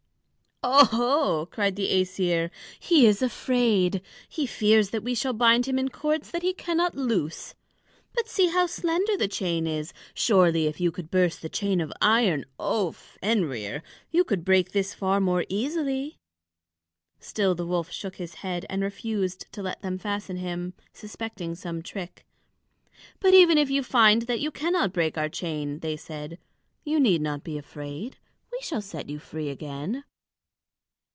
"Oho!" cried the Æsir. "He is afraid! He fears that we shall bind him in cords that he cannot loose. But see how slender the chain is. Surely, if you could burst the chain of iron, O Fenrir, you could break this far more easily." Still the wolf shook his head, and refused to let them fasten him, suspecting some trick. "But even if you find that you cannot break our chain," they said, "you need not be afraid. We shall set you free again."